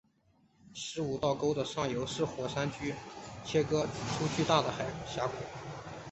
十五道沟的上游在火山锥上切割出巨大的峡谷。